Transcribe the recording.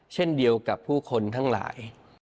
เช่นเดียวกับผู้คนทั้งหลาย